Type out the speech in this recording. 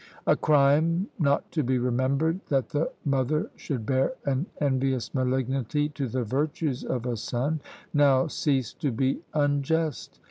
A crime not to be remembered, that the mother should bear an envious malignity to the virtues of a son! Now cease to be unjust!